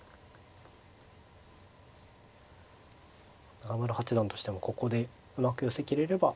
中村八段としてもここでうまく寄せきれれば。